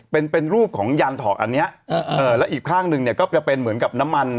เป็นเป็นรูปของยานถอกอันเนี้ยแล้วอีกข้างหนึ่งเนี่ยก็จะเป็นเหมือนกับน้ำมัน